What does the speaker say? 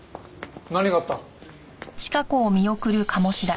何があった？